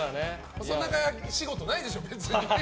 細長仕事ないでしょ、別に。